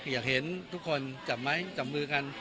อยากเห็นทุกคนจับไม้จับมือกัน